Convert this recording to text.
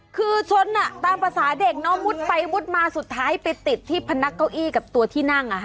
คือชนตามภาษาเด็กเนอะมุดไปมุดมาสุดท้ายไปติดที่พนักเก้าอี้กับตัวที่นั่ง